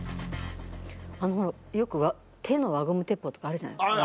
あのほらよく手の輪ゴム鉄砲とかあるじゃないですか。